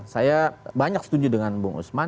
saya banyak setuju dengan bung usman